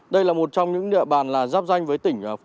đây là một trong những địa bàn là giáp danh với tỉnh phú thọ hồ chí minh